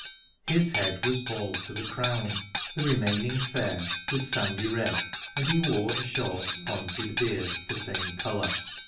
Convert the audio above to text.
His head was bald to the crown, the remaining fair was sandy red and he wore a short, pointed beard of the same colour.